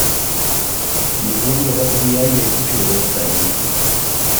Neguan lorategia ia ikusi ere e da egiten.